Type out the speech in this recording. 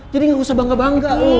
jadi gak usah bangga bangga lo